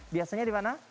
biasanya di mana